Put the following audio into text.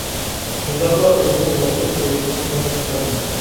شۇنداقلا ئۆزىنى يوقىتىپ قويۇشنىڭ بىرىنچى قەدىمى.